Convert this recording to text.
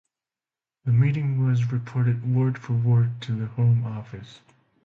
The meeting was reported word for word to the Home Office.